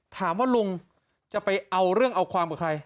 ถามว่าลุงจะไปเอาเรื่องเอาความกับใคร